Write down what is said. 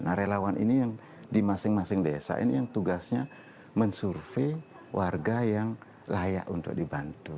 nah relawan ini yang di masing masing desa ini yang tugasnya mensurvey warga yang layak untuk dibantu